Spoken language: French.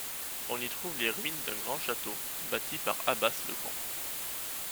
On y trouve les ruines d'un grand château, bâti par Abbas le Grand.